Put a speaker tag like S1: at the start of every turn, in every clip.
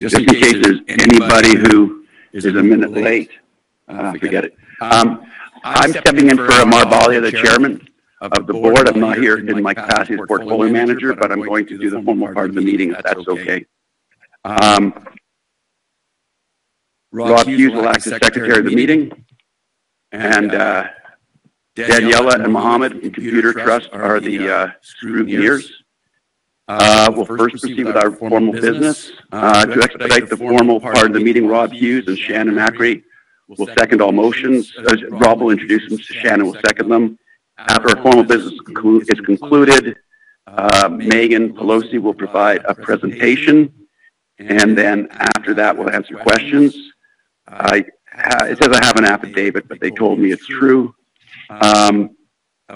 S1: Just in case there's anybody who is a minute late. I forget it. I'm stepping in for Omar Balia, the Chairman of the Board. I'm not here in my capacity as portfolio manager, but I'm going to do the formal part of the meeting if that's okay. [Rob]. Rob Hughes will act as secretary of the meeting. Daniella and Mohammed in Computer Trust are the scrutineers. We'll first proceed with our formal business. To expedite the formal part of the meeting, Rob Hughes and Shannon McRae will second all motions. Rob will introduce them to Shannon; she will second them. After our formal business is concluded, Meaghan Peloso will provide a presentation. After that, we'll answer questions. It says I have an affidavit, but they told me it's true,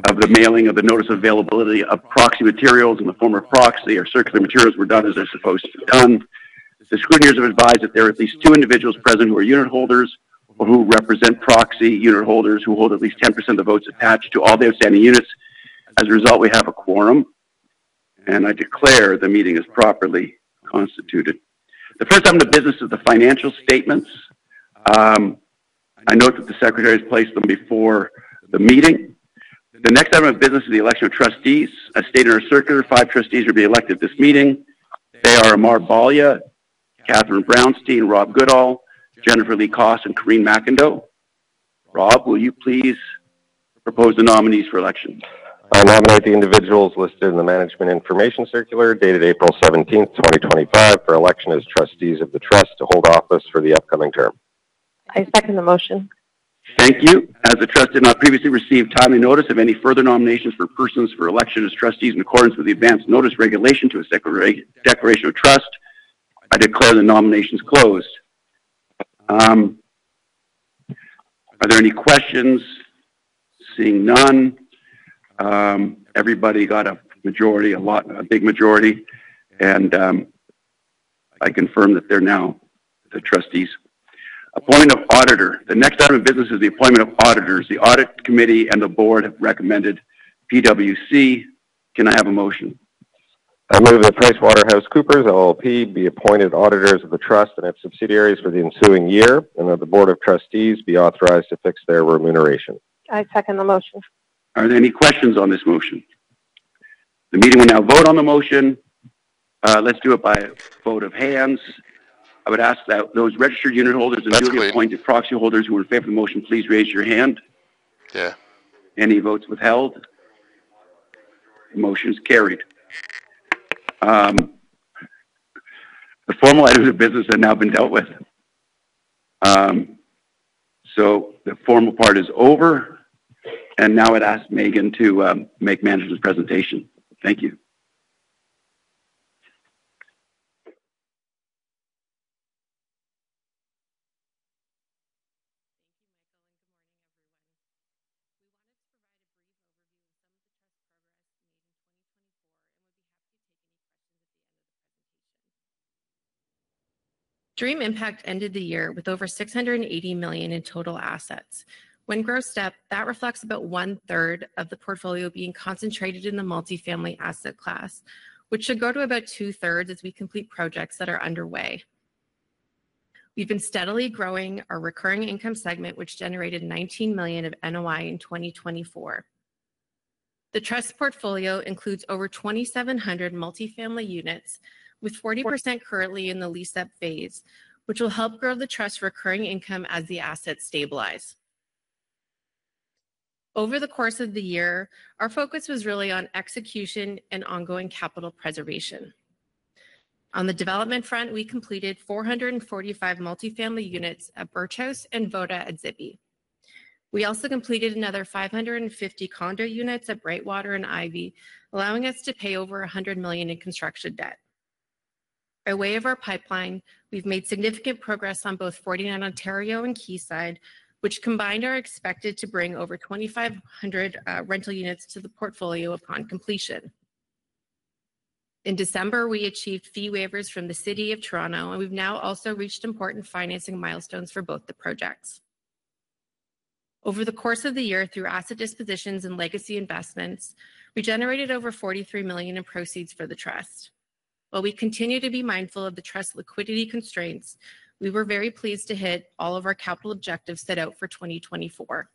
S1: of the mailing of the notice of availability of proxy materials in the form of proxy or circular materials were done as they're supposed to be done. The scrutineers have advised that there are at least two individuals present who are unit holders or who represent proxy unit holders who hold at least 10% of the votes attached to all their standing units. As a result, we have a quorum. I declare the meeting is properly constituted. The first item of business is the financial statements. I note that the secretaries placed them before the meeting. The next item of business is the election of trustees. As stated in our circular, five trustees will be elected this meeting. They are Omar Balia, Katherine Brownstein, Rob Goodall, Jennifer Lee Koss, and Corinne McIndough. Rob, will you please propose the nominees for election?
S2: I'll nominate the individuals listed in the management information circular dated April 17, 2025, for election as trustees of the trust to hold office for the upcoming term.
S3: I second the motion.
S1: Thank you. As the trustee has not previously received timely notice of any further nominations for persons for election as trustees in accordance with the advanced notice regulation to a declaration of trust, I declare the nominations closed. Are there any questions? Seeing none. Everybody got a majority, a big majority. I confirm that they are now the trustees. Appointment of auditor. The next item of business is the appointment of auditors. The audit committee and the board have recommended PwC. Can I have a motion?
S2: I move that PricewaterhouseCoopers, LLP, be appointed auditors of the trust and its subsidiaries for the ensuing year. That the board of trustees be authorized to fix their remuneration.
S3: I second the motion.
S1: Are there any questions on this motion? The meeting will now vote on the motion. Let's do it by vote of hands. I would ask that those registered unit holders and newly appointed proxy holders who are in favor of the motion, please raise your hand.
S2: Yeah.
S1: Any votes withheld? Motion is carried. The formal items of business have now been dealt with. The formal part is over. I would ask Meaghan to make management presentation. Thank you.
S4: Dream Impact ended the year with over 680 million in total assets. When growth step, that reflects about 1/3 of the portfolio being concentrated in the multifamily asset class, which should go to about two-thirds as we complete projects that are underway. We've been steadily growing our recurring income segment, which generated 19 million of NOI in 2024. The trust portfolio includes over 2,700 multifamily units, with 40% currently in the lease-up phase, which will help grow the trust's recurring income as the assets stabilize. Over the course of the year, our focus was really on execution and ongoing capital preservation. On the development front, we completed 445 multifamily units at Birch House and Voda at Zippy. We also completed another 550 condo units at Brightwater and Ivy, allowing us to pay over 100 million in construction debt. By way of our pipeline, we've made significant progress on both 49 Ontario and Keyside, which combined are expected to bring over 2,500 rental units to the portfolio upon completion. In December, we achieved fee waivers from the City of Toronto, and we've now also reached important financing milestones for both the projects. Over the course of the year, through asset dispositions and legacy investments, we generated over 43 million in proceeds for the trust. While we continue to be mindful of the trust's liquidity constraints, we were very pleased to hit all of our capital objectives set out for 2024.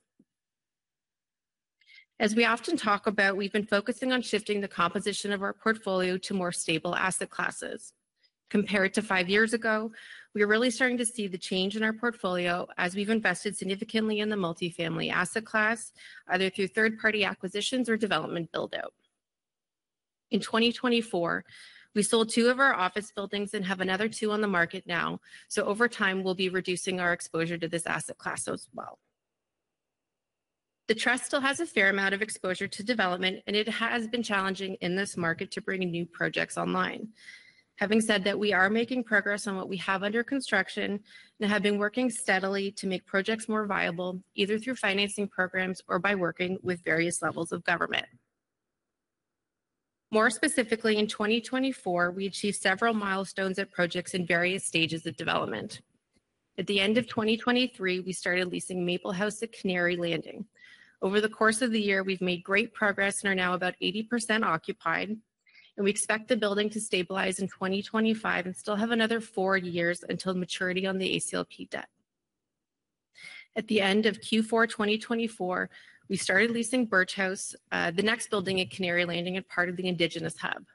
S4: As we often talk about, we've been focusing on shifting the composition of our portfolio to more stable asset classes. Compared to five years ago, we are really starting to see the change in our portfolio as we've invested significantly in the multifamily asset class, either through third-party acquisitions or development build-out. In 2024, we sold two of our office buildings and have another two on the market now. Over time, we'll be reducing our exposure to this asset class as well. The trust still has a fair amount of exposure to development, and it has been challenging in this market to bring new projects online. Having said that, we are making progress on what we have under construction and have been working steadily to make projects more viable, either through financing programs or by working with various levels of government. More specifically, in 2024, we achieved several milestones at projects in various stages of development. At the end of 2023, we started leasing Maple House at Canary Landing. Over the course of the year, we've made great progress and are now about 80% occupied. We expect the building to stabilize in 2025 and still have another four years until maturity on the ACLP debt. At the end of Q4 2024, we started leasing Birch House, the next building at Canary Landing and part of the Indigenous Hub.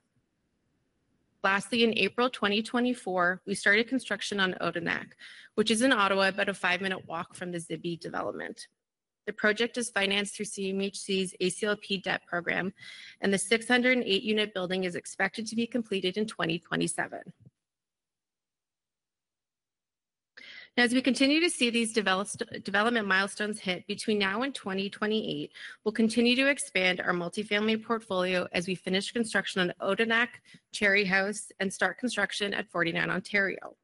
S4: Lastly, in April 2024, we started construction on Odenak, which is in Ottawa, about a five-minute walk from the Zippy development. The project is financed through CMHC's ACLP debt program, and the 608-unit building is expected to be completed in 2027. As we continue to see these development milestones hit between now and 2028, we will continue to expand our multifamily portfolio as we finish construction on Odenak, Cherry House, and start construction at 49 Ontario.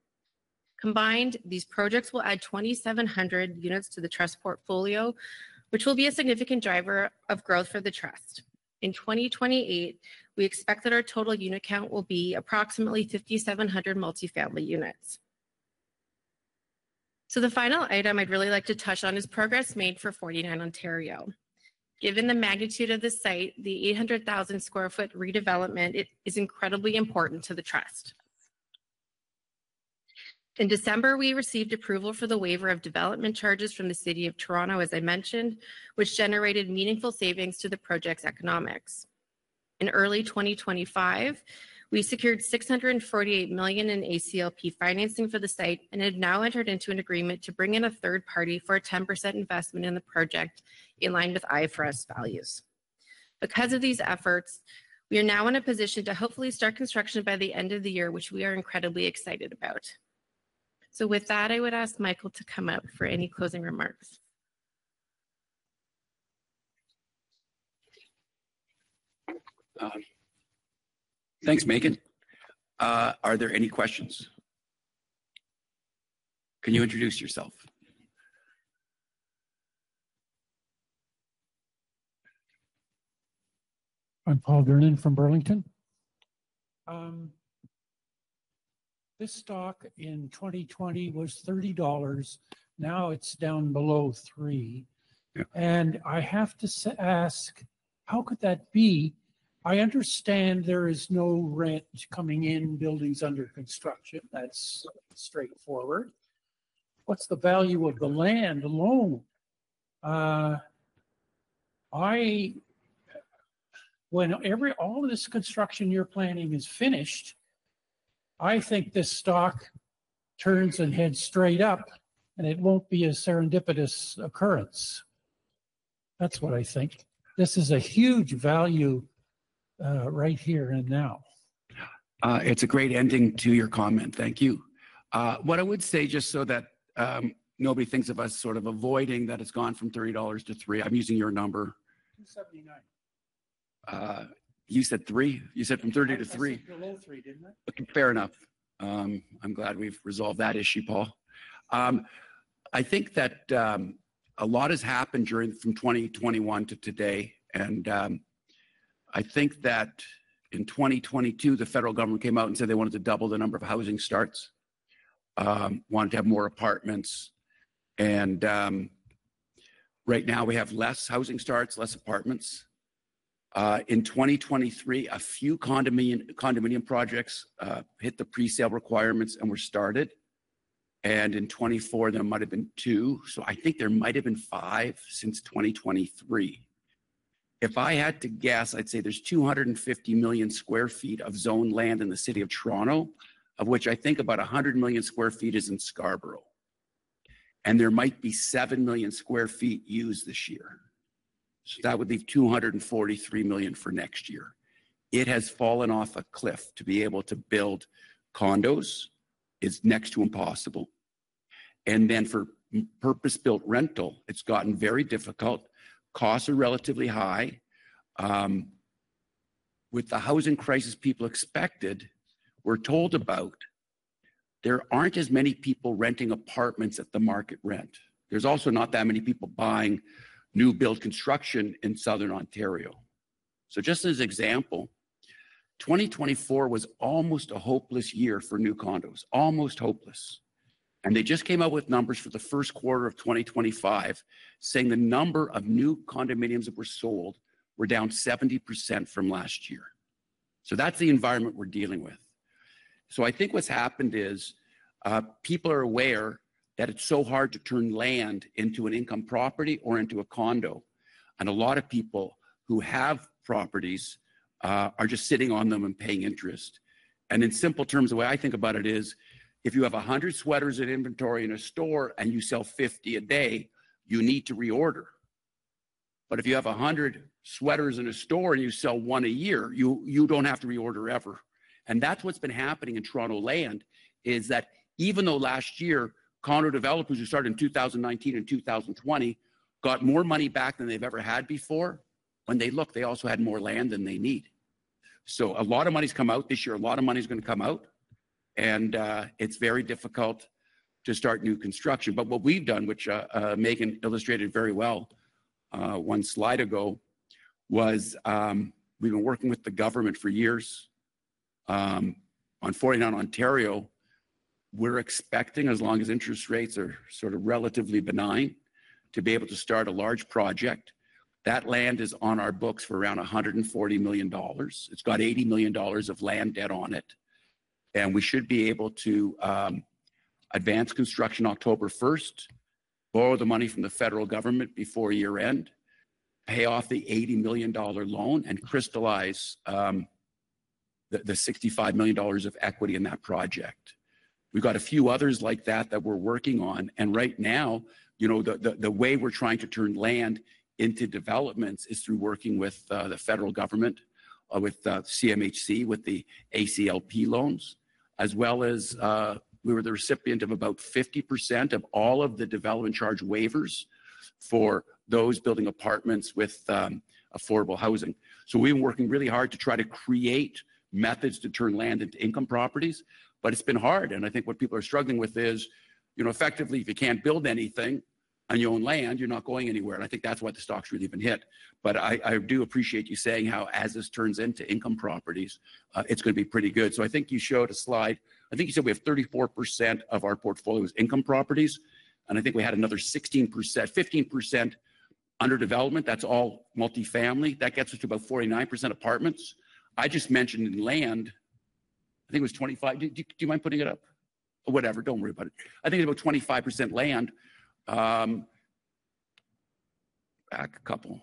S4: Combined, these projects will add 2,700 units to the trust portfolio, which will be a significant driver of growth for the trust. In 2028, we expect that our total unit count will be approximately 5,700 multifamily units. The final item I'd really like to touch on is progress made for 49 Ontario. Given the magnitude of the site, the 800,000 sq ft redevelopment is incredibly important to the trust. In December, we received approval for the waiver of development charges from the City of Toronto, as I mentioned, which generated meaningful savings to the project's economics. In early 2025, we secured 648 million in ACLP financing for the site and have now entered into an agreement to bring in a third party for a 10% investment in the project in line with IFRS values. Because of these efforts, we are now in a position to hopefully start construction by the end of the year, which we are incredibly excited about. With that, I would ask Michael to come up for any closing remarks.
S1: Thanks, Meaghan. Are there any questions? Can you introduce yourself?
S5: I'm Paul Vernon from Burlington. This stock in 2020 was 30 dollars. Now it's down below 3. I have to ask, how could that be? I understand there is no rent coming in buildings under construction. That's straightforward. What's the value of the land alone? When all this construction you're planning is finished, I think this stock turns and heads straight up, and it won't be a serendipitous occurrence. That's what I think. This is a huge value right here and now.
S1: It's a great ending to your comment. Thank you. What I would say, just so that nobody thinks of us sort of avoiding that, it's gone from 30 dollars to 3. I'm using your number.
S5: 279.
S1: You said 3? You said from 30 to 3?
S5: It was below 3, didn't it?
S1: Fair enough. I'm glad we've resolved that issue, Paul. I think that a lot has happened from 2021 to today. I think that in 2022, the federal government came out and said they wanted to double the number of housing starts, wanted to have more apartments. Right now, we have less housing starts, less apartments. In 2023, a few condominium projects hit the pre-sale requirements and were started. In 2024, there might have been two. I think there might have been five since 2023. If I had to guess, I'd say there's 250 million sq ft of zoned land in the city of Toronto, of which I think about 100 million sq ft is in Scarborough. There might be 7 million sq ft used this year. That would leave 243 million for next year. It has fallen off a cliff to be able to build condos. It's next to impossible. For purpose-built rental, it's gotten very difficult. Costs are relatively high. With the housing crisis people expected, we're told about, there aren't as many people renting apartments at the market rent. There's also not that many people buying new-build construction in Southern Ontario. Just as an example, 2024 was almost a hopeless year for new condos, almost hopeless. They just came out with numbers for the first quarter of 2025, saying the number of new condominiums that were sold were down 70% from last year. That's the environment we're dealing with. I think what's happened is people are aware that it's so hard to turn land into an income property or into a condo. A lot of people who have properties are just sitting on them and paying interest. In simple terms, the way I think about it is, if you have 100 sweaters in inventory in a store and you sell 50 a day, you need to reorder. If you have 100 sweaters in a store and you sell one a year, you do not have to reorder ever. That is what has been happening in Toronto land, is that even though last year, condo developers who started in 2019 and 2020 got more money back than they have ever had before, when they look, they also had more land than they need. A lot of money has come out this year. A lot of money is going to come out. It is very difficult to start new construction. What we've done, which Meaghan illustrated very well one slide ago, is we've been working with the government for years. On 49 Ontario, we're expecting, as long as interest rates are sort of relatively benign, to be able to start a large project. That land is on our books for around 140 million dollars. It's got 80 million dollars of land debt on it. We should be able to advance construction October 1st, borrow the money from the federal government before year-end, pay off the 80 million dollar loan, and crystallize the 65 million dollars of equity in that project. We've got a few others like that that we're working on. Right now, you know the way we're trying to turn land into developments is through working with the federal government, with CMHC, with the ACLP loans, as well as we were the recipient of about 50% of all of the development charge waivers for those building apartments with affordable housing. We have been working really hard to try to create methods to turn land into income properties. It has been hard. I think what people are struggling with is, you know, effectively, if you can't build anything on your own land, you're not going anywhere. I think that's why the stock's really been hit. I do appreciate you saying how as this turns into income properties, it's going to be pretty good. I think you showed a slide. I think you said we have 34% of our portfolio is income properties. I think we had another 16%, 15% under development. That is all multifamily. That gets us to about 49% apartments. I just mentioned land. I think it was 25. Do you mind putting it up? Whatever. Do not worry about it. I think it is about 25% land. Back a couple.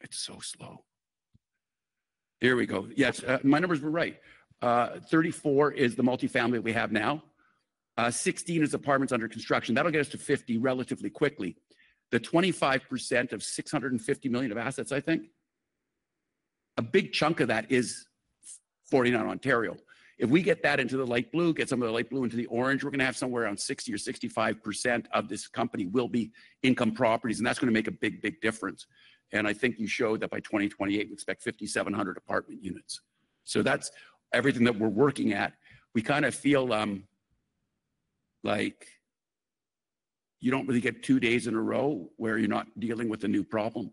S1: It is so slow. There we go. Yes, my numbers were right. 34 is the multifamily we have now. 16 is apartments under construction. That will get us to 50 relatively quickly. The 25% of 650 million of assets, I think, a big chunk of that is 49 Ontario. If we get that into the light blue, get some of the light blue into the orange, we are going to have somewhere around 60-65% of this company will be income properties. That is going to make a big, big difference. I think you showed that by 2028, we expect 5,700 apartment units. That is everything that we are working at. We kind of feel like you do not really get two days in a row where you are not dealing with a new problem.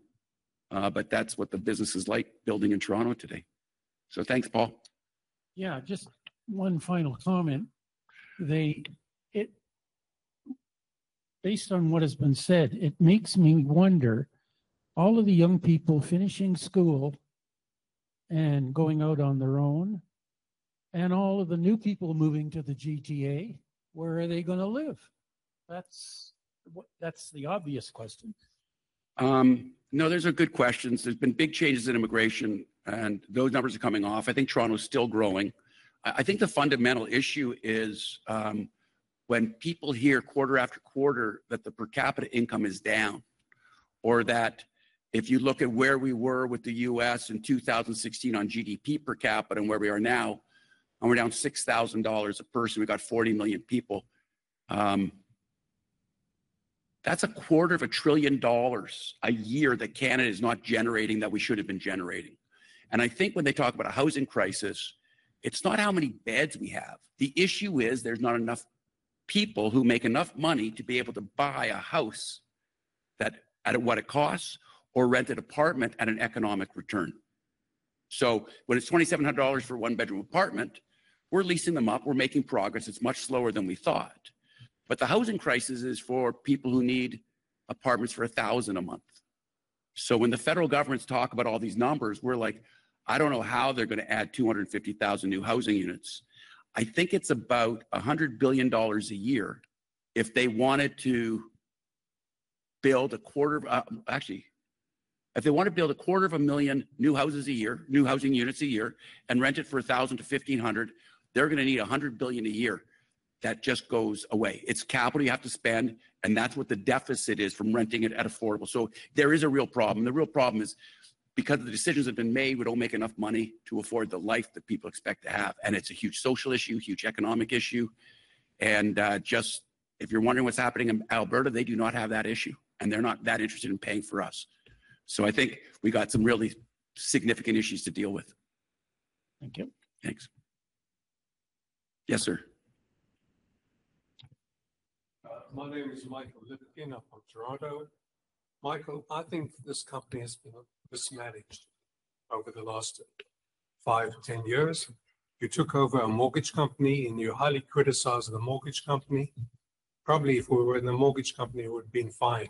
S1: That is what the business is like building in Toronto today. Thanks, Paul.
S5: Yeah, just one final comment. Based on what has been said, it makes me wonder, all of the young people finishing school and going out on their own, and all of the new people moving to the GTA, where are they going to live? That's the obvious question.
S1: No, there's a good question. There's been big changes in immigration, and those numbers are coming off. I think Toronto is still growing. I think the fundamental issue is when people hear quarter after quarter that the per capita income is down, or that if you look at where we were with the U.S. in 2016 on GDP per capita and where we are now, and we're down 6,000 dollars a person, we've got 40 million people. That's a quarter of a trillion dollars a year that Canada is not generating that we should have been generating. I think when they talk about a housing crisis, it's not how many beds we have. The issue is there's not enough people who make enough money to be able to buy a house at what it costs or rent an apartment at an economic return. When it's 2,700 dollars for a one-bedroom apartment, we're leasing them up. We're making progress. It's much slower than we thought. The housing crisis is for people who need apartments for 1,000 a month. When the federal governments talk about all these numbers, we're like, I don't know how they're going to add 250,000 new housing units. I think it's about 100 billion dollars a year. If they wanted to build a 0.25 million new houses a year, new housing units a year, and rent it for 1,000-1,500, they're going to need 100 billion a year. That just goes away. It's capital you have to spend, and that's what the deficit is from renting it at affordable. There is a real problem. The real problem is because the decisions have been made, we do not make enough money to afford the life that people expect to have. It is a huge social issue, huge economic issue. If you are wondering what is happening in Alberta, they do not have that issue. They are not that interested in paying for us. I think we have some really significant issues to deal with.
S5: Thank you.
S1: Thanks. Yes, sir.
S6: My name is Michael Levitina from Toronto. Michael, I think this company has been mismanaged over the last 5, 10 years. You took over a mortgage company, and you highly criticized the mortgage company. Probably if we were in the mortgage company, it would have been fine.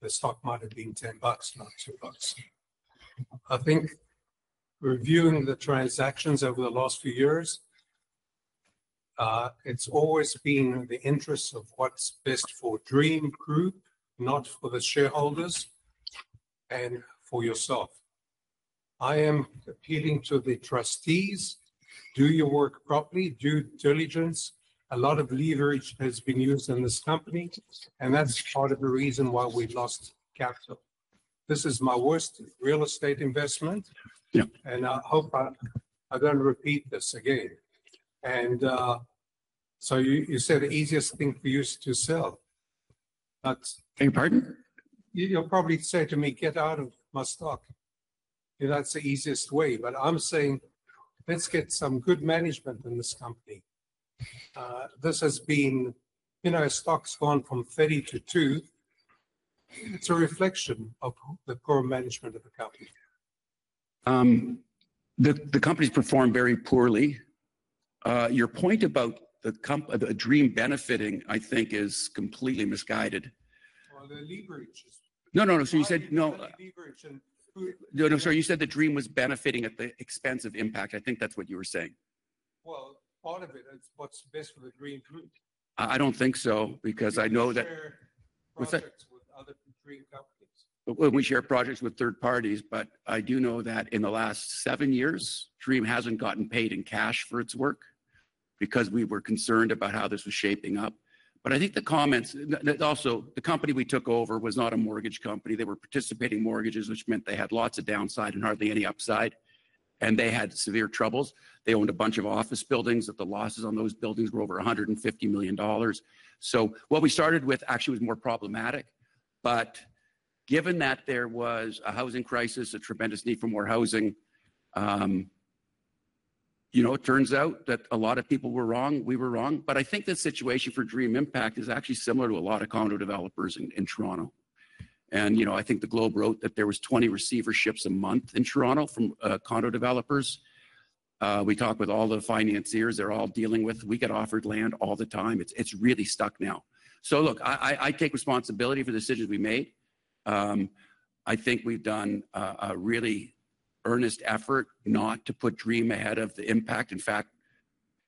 S6: The stock might have been 10 bucks, not 2 bucks. I think reviewing the transactions over the last few years, it's always been the interest of what's best for Dream Group, not for the shareholders, and for yourself. I am appealing to the trustees, do your work properly, do diligence. A lot of leverage has been used in this company. That is part of the reason why we lost capital. This is my worst real estate investment. I hope I don't repeat this again. You said the easiest thing for you is to sell.
S1: Beg your pardon?
S6: You'll probably say to me, get out of my stock. That's the easiest way. I'm saying, let's get some good management in this company. This has been, you know, stock's gone from 30 to 2. It's a reflection of the poor management of the company.
S1: The company's performed very poorly. Your point about Dream benefiting, I think, is completely misguided.
S6: The leverage is.
S1: No, no. So you said, no.
S6: The leverage and.
S1: No, no, sir. You said the Dream was benefiting at the expense of Impact. I think that's what you were saying.
S6: Part of it is what's best for the Dream Group.
S1: I don't think so, because I know that.
S6: We share projects with other Dream companies.
S1: We share projects with third parties. But I do know that in the last seven years, Dream hasn't gotten paid in cash for its work because we were concerned about how this was shaping up. But I think the comments also, the company we took over was not a mortgage company. They were participating mortgages, which meant they had lots of downside and hardly any upside. And they had severe troubles. They owned a bunch of office buildings, that the losses on those buildings were over 150 million dollars. So what we started with actually was more problematic. But given that there was a housing crisis, a tremendous need for more housing, you know, it turns out that a lot of people were wrong. We were wrong. But I think the situation for Dream Impact is actually similar to a lot of condo developers in Toronto. You know, I think the Globe wrote that there was 20 receiverships a month in Toronto from condo developers. We talked with all the financiers they're all dealing with. We get offered land all the time. It's really stuck now. I take responsibility for the decisions we made. I think we've done a really earnest effort not to put Dream ahead of the impact. In fact,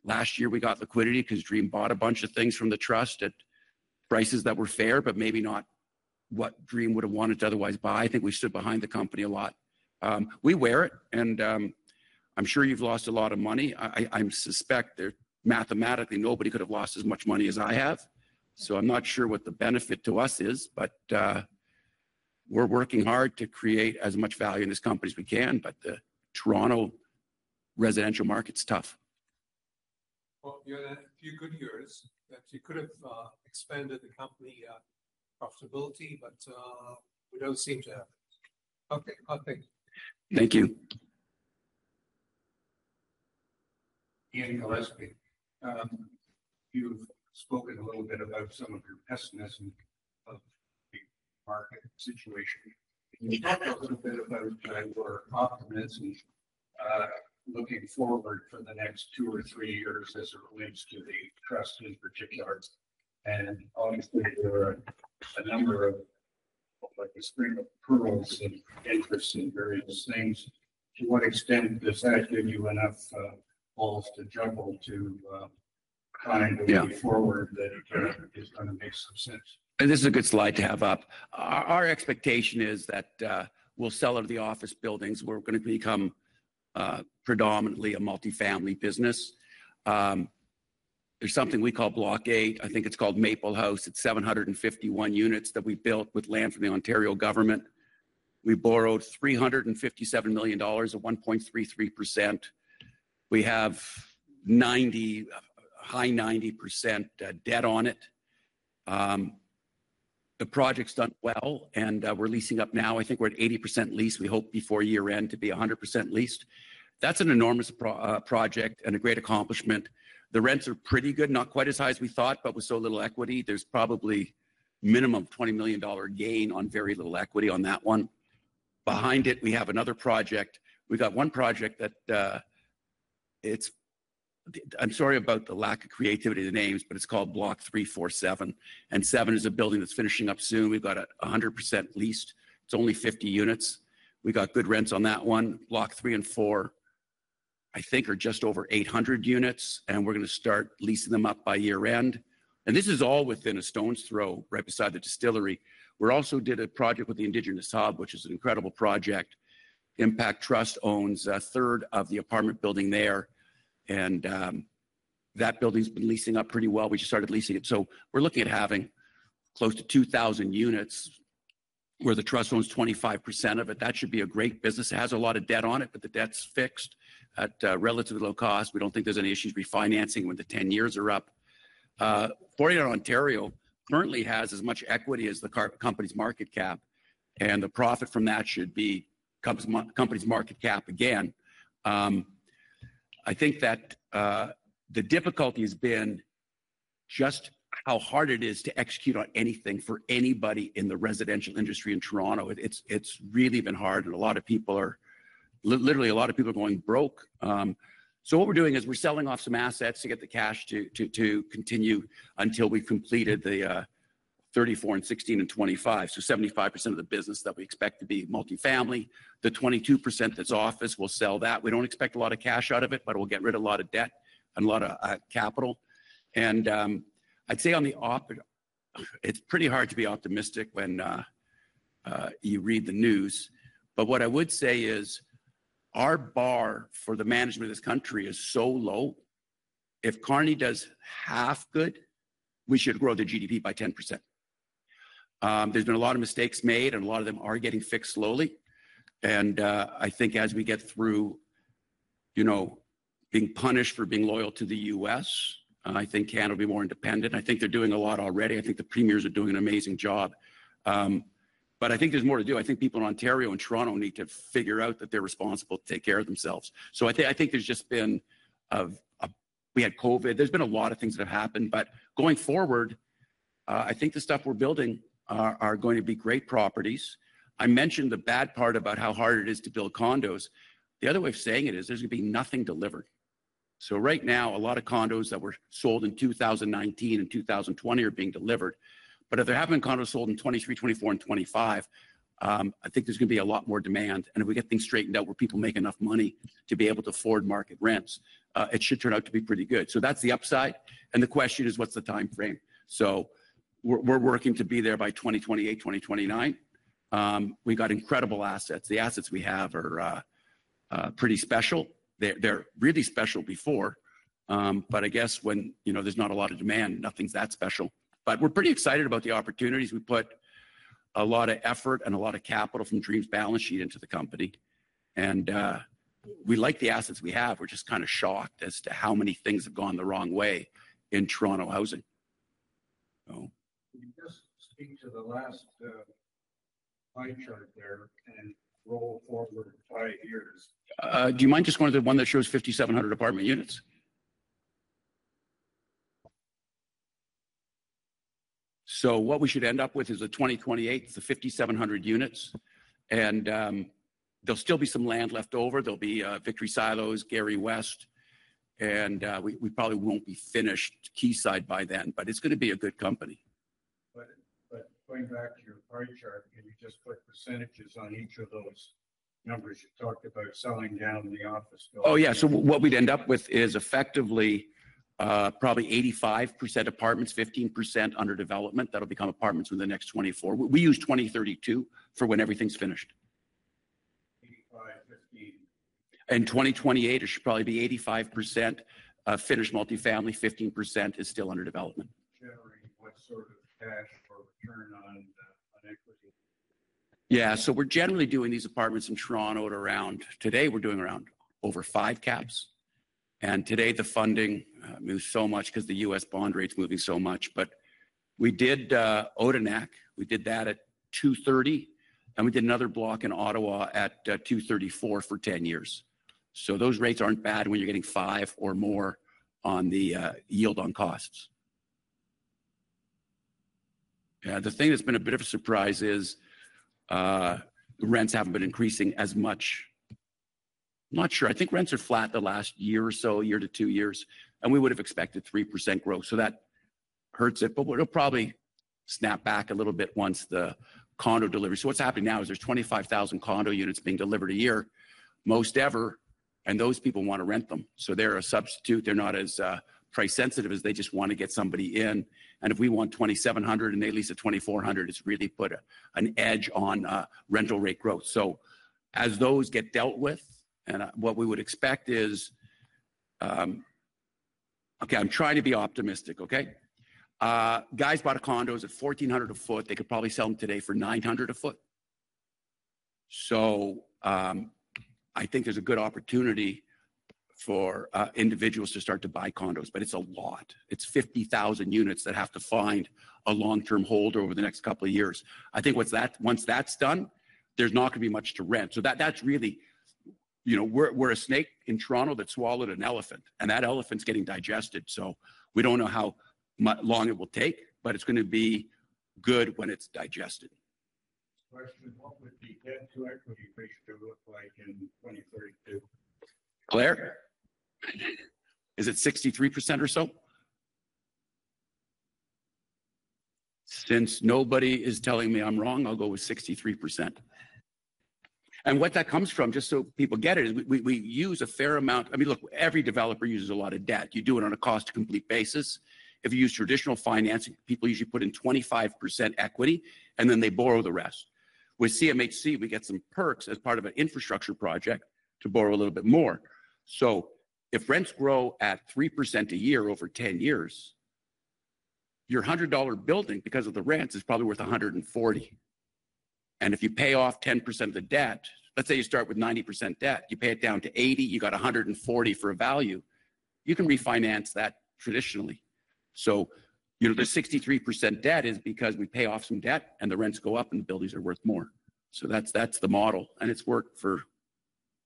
S1: last year, we got liquidity because Dream bought a bunch of things from the trust at prices that were fair, but maybe not what Dream would have wanted to otherwise buy. I think we stood behind the company a lot. We wear it. I'm sure you've lost a lot of money. I suspect that mathematically, nobody could have lost as much money as I have. I'm not sure what the benefit to us is. We're working hard to create as much value in this company as we can. The Toronto residential market's tough.
S6: You had a few good years that you could have expanded the company profitability, but we do not seem to have it. Okay, I think.
S1: Thank you.
S6: Ian Gillespie, you've spoken a little bit about some of your pessimism of the market situation. You talked a little bit about you were optimist and looking forward for the next two or three years as it relates to the trust in particular. Obviously, there are a number of string of pearls of interest in various things. To what extent does that give you enough balls to juggle to kind of move forward that it is going to make some sense?
S1: This is a good slide to have up. Our expectation is that we'll sell out of the office buildings. We're going to become predominantly a multifamily business. There's something we call Block eight. I think it's called Maple House. It's 751 units that we built with land from the Ontario government. We borrowed 357 million dollars, at 1.33%. We have high 90% debt on it. The project's done well. We're leasing up now. I think we're at 80% lease. We hope before year-end to be 100% leased. That's an enormous project and a great accomplishment. The rents are pretty good, not quite as high as we thought, but with so little equity, there's probably a minimum of 20 million dollar gain on very little equity on that one. Behind it, we have another project. We've got one project that it's, I'm sorry about the lack of creativity in the names, but it's called Block 347. And seven is a building that's finishing up soon. We've got it 100% leased. It's only 50 units. We've got good rents on that one. Block three and four, I think, are just over 800 units. We're going to start leasing them up by year-end. This is all within a stone's throw right beside the distillery. We also did a project with the Indigenous Hub, which is an incredible project. Impact Trust owns a third of the apartment building there. That building's been leasing up pretty well. We just started leasing it. We're looking at having close to 2,000 units where the trust owns 25% of it. That should be a great business. It has a lot of debt on it, but the debt's fixed at relatively low cost. We don't think there's any issues refinancing when the 10 years are up. 49 Ontario currently has as much equity as the company's market cap. And the profit from that should be the company's market cap again. I think that the difficulty has been just how hard it is to execute on anything for anybody in the residential industry in Toronto. It's really been hard. A lot of people are literally, a lot of people are going broke. What we're doing is we're selling off some assets to get the cash to continue until we've completed the 34 and 16 and 25. 75% of the business that we expect to be multifamily. The 22% that's office will sell that. We don't expect a lot of cash out of it, but it will get rid of a lot of debt and a lot of capital. I'd say on the op, it's pretty hard to be optimistic when you read the news. What I would say is our bar for the management of this country is so low. If Carney does half good, we should grow the GDP by 10%. There's been a lot of mistakes made, and a lot of them are getting fixed slowly. I think as we get through, you know, being punished for being loyal to the U.S., I think Canada will be more independent. I think they're doing a lot already. I think the premiers are doing an amazing job. I think there's more to do. I think people in Ontario and Toronto need to figure out that they're responsible to take care of themselves. I think there's just been, we had COVID. There's been a lot of things that have happened. Going forward, I think the stuff we're building are going to be great properties. I mentioned the bad part about how hard it is to build condos. The other way of saying it is there's going to be nothing delivered. Right now, a lot of condos that were sold in 2019 and 2020 are being delivered. If there have been condos sold in 2023, 2024, and 2025, I think there's going to be a lot more demand. If we get things straightened out where people make enough money to be able to afford market rents, it should turn out to be pretty good. That's the upside. The question is, what's the time frame? We are working to be there by 2028, 2029. We have incredible assets. The assets we have are pretty special. They were really special before. I guess when, you know, there is not a lot of demand, nothing is that special. We are pretty excited about the opportunities. We put a lot of effort and a lot of capital from Dream's balance sheet into the company. We like the assets we have. We are just kind of shocked as to how many things have gone the wrong way in Toronto housing.
S6: Can you just speak to the last pie chart there and roll forward five years?
S1: Do you mind just going to the one that shows 5,700 apartment units? What we should end up with is in 2028, the 5,700 units. There will still be some land left over. There will be Victory Silos, Gary West. We probably will not be finished Keyside by then. It is going to be a good company.
S6: Going back to your pie chart, can you just put percentages on each of those numbers you talked about selling down the office building?
S1: Oh, yeah. What we'd end up with is effectively probably 85% apartments, 15% under development. That'll become apartments within the next 24. We use 2032 for when everything's finished.
S6: 85, 15?
S1: In 2028, it should probably be 85% finished multifamily, 15% is still under development.
S6: Generate what sort of cash or return on equity?
S1: Yeah. So we're generally doing these apartments in Toronto at around today, we're doing around over five caps. And today, the funding moves so much because the U.S. bond rate's moving so much. But we did Odenak. We did that at 230. And we did another block in Ottawa at 234 for 10 years. So those rates aren't bad when you're getting five or more on the yield on costs. Yeah, the thing that's been a bit of a surprise is rents haven't been increasing as much. I'm not sure. I think rents are flat the last year or so, year to two years. And we would have expected 3% growth. That hurts it. It'll probably snap back a little bit once the condo delivery. What's happening now is there's 25,000 condo units being delivered a year, most ever. Those people want to rent them. They're a substitute. They're not as price-sensitive as they just want to get somebody in. If we want 2,700 and they lease at 2,400, it has really put an edge on rental rate growth. As those get dealt with, what we would expect is, okay, I'm trying to be optimistic, okay? Guys bought condos at 1,400 a sq ft. They could probably sell them today for 900 a sq ft. I think there's a good opportunity for individuals to start to buy condos. It is a lot. It is 50,000 units that have to find a long-term holder over the next couple of years. I think once that's done, there's not going to be much to rent. That's really, you know, we're a snake in Toronto that swallowed an elephant. That elephant is getting digested. We don't know how long it will take, but it's going to be good when it's digested.
S6: Question, what would the debt to equity ratio look like in 2032?
S1: Claire? Is it 63% or so? Since nobody is telling me I'm wrong, I'll go with 63%. And what that comes from, just so people get it, is we use a fair amount. I mean, look, every developer uses a lot of debt. You do it on a cost-to-complete basis. If you use traditional financing, people usually put in 25% equity, and then they borrow the rest. With CMHC, we get some perks as part of an infrastructure project to borrow a little bit more. If rents grow at 3% a year over 10 years, your 100 dollar building because of the rents is probably worth 140. If you pay off 10% of the debt, let's say you start with 90% debt, you pay it down to 80, you got 140 for a value, you can refinance that traditionally. You know, the 63% debt is because we pay off some debt and the rents go up and the buildings are worth more. That is the model. It has worked for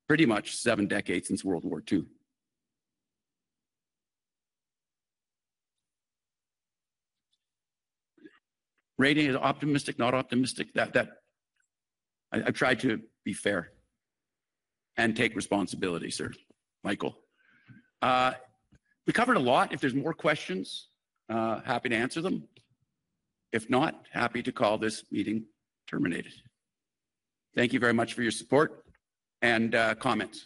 S1: pretty much seven decades since World War II. Rating it optimistic, not optimistic. I have tried to be fair and take responsibility, sir, Michael. We covered a lot. If there are more questions, happy to answer them. If not, happy to call this meeting terminated. Thank you very much for your support and comments.